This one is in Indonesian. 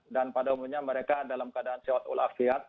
dan pada umumnya mereka dalam keadaan sehat ulah fiat